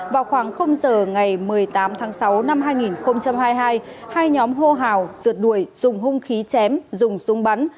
vào khoảng giờ ngày một mươi tám tháng sáu năm hai nghìn hai mươi hai hai nhóm hô hào dượt đuổi dùng hung khí chém dùng súng bắn